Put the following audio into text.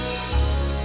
saya tidak tahu